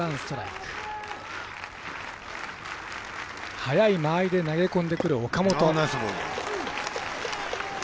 早い間合いで投げ込んでくる岡本。